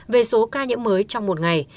về số ca nhiễm mới trong một ngày